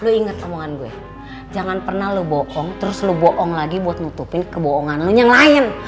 lu inget omongan gue jangan pernah lo bohong terus lo bohong lagi buat nutupin kebohongan lo yang lain